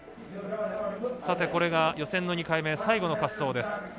これが予選の２回目最後の滑走です。